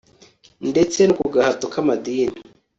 ndetse no ku gahato k'amadini